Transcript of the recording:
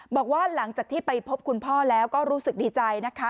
บอกว่าหลังจากที่ไปพบคุณพ่อแล้วก็รู้สึกดีใจนะคะ